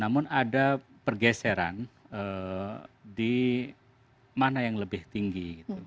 namun ada pergeseran di mana yang lebih tinggi